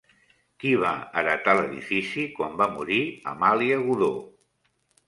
Qui va heretar l'edifici quan va morir Amàlia Godó?